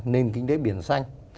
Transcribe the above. nền kinh tế biển xanh